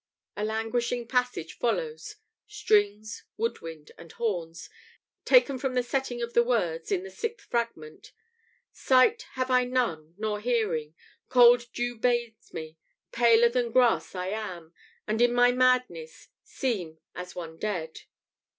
A languishing passage follows (strings, wood wind, and horns), taken from the setting of the words (in the sixth Fragment): "Sight have I none, nor hearing, cold dew bathes me, Paler than grass I am, and in my madness Seem as one dead."